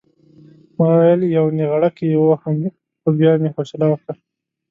ما ویل یو نېغړک یې ووهم خو بیا مې حوصله وکړه.